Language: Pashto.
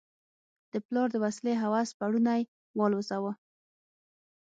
د پلار د وسلې هوس پوړونی والوزاوه.